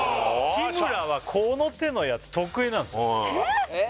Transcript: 日村はこの手のやつ得意なんすよえっ？